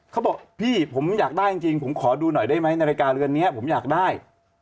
เขาบอกพี่ผมอยากได้จริงผมขอดูหน่อยได้ไหมในรายการเรือนนี้ผมอยากได้